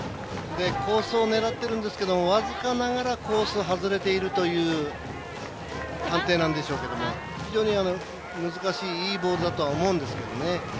コースを狙ってるんですけど僅かながらコースを外れているという判定なんでしょうけども非常に難しいいいボールだとは思うんですけどね。